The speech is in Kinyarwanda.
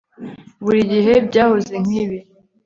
Buri gihe byahoze nkibi